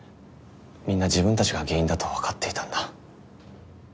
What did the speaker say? みんな自分たちが原因だとわかっていたんだ。